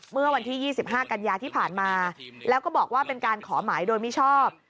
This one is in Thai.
เมื่อวันที่๒๕กันยาที่ผ่านมาแล้วก็บอกว่าเป็นการขอหมายโดยมิชอบ